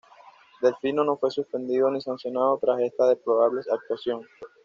Delfino no fue suspendido ni sancionado tras esta deplorable actuación.